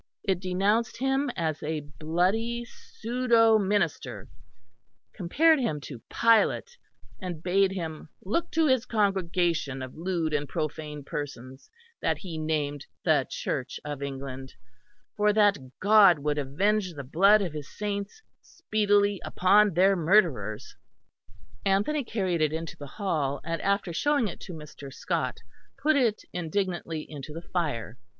It denounced him as a "bloody pseudo minister," compared him to Pilate, and bade him "look to his congregation of lewd and profane persons that he named the Church of England," for that God would avenge the blood of his saints speedily upon their murderers. Anthony carried it into the hall, and after showing it to Mr. Scot, put it indignantly into the fire.